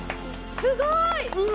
すごい！